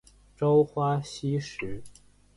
朝花夕拾